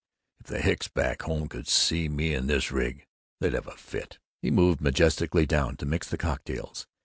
If the hicks back home could see me in this rig, they'd have a fit!" He moved majestically down to mix the cocktails.